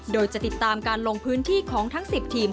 โดยจะติดตามการลงพื้นที่ของทั้ง๑๐ทีม